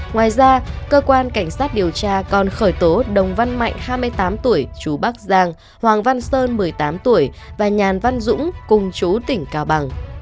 ngoài ra cơ quan cảnh sát điều tra còn khởi tố đồng văn mạnh hai mươi tám tuổi chú bắc giang hoàng văn sơn một mươi tám tuổi và nhàn văn dũng cùng chú tỉnh cao bằng